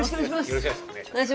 よろしくお願いします。